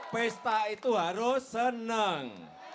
pesta itu harus senang